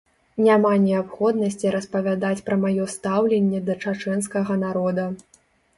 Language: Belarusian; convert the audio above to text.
Няма неабходнасці распавядаць пра маё стаўленне да чачэнскага народа.